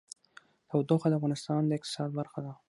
تودوخه د افغانستان د اقتصاد برخه ده.